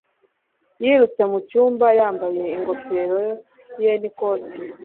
Yirutse mu cyumba yambaye ingofero ye n'ikoti.